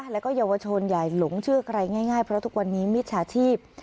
แล้วก็เยาวชนอย่าหลงเชื่อใครง่ายเพราะทุกวันนี้มิจฉาชีพ